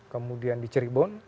kemudian di cirebon